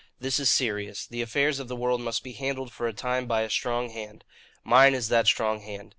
This is serious. The affairs of the world must be handled for a time by a strong hand. Mine is that strong hand.